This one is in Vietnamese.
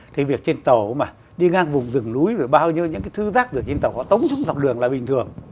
cái việc trên tàu mà đi ngang vùng rừng núi và bao nhiêu những cái thư rác ở trên tàu họ tống xuống dọc đường là bình thường